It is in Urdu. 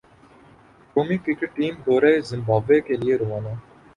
قومی کرکٹ ٹیم دورہ زمبابوے کے لئے روانہ